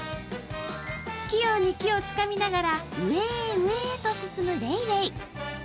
器用に木をつかみながら上へ上へと進むレイレイ。